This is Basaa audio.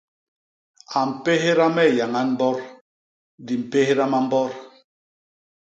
U mpédha me yañañ mbot; di mpédha mambot.